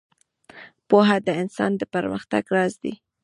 • پوهه د انسان د پرمختګ راز دی.